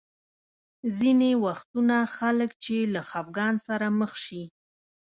ځینې وختونه خلک چې له خفګان سره مخ شي.